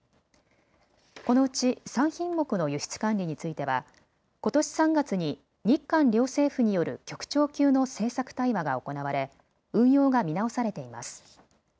このうち３品目の輸出管理についてはことし３月に日韓両政府による局長級の政策対話が行われ運用が見直されています。